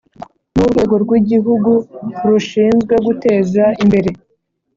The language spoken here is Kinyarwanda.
N urwego rw igihugu rushinzwe guteza imbere